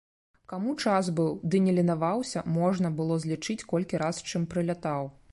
Каму час быў ды не ленаваўся, можна было злічыць, колькі раз з чым прылятаў.